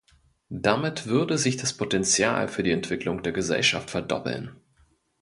Damit würde sich das Potenzial für die Entwicklung der Gesellschaft verdoppeln.